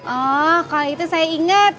oh kalau itu saya ingat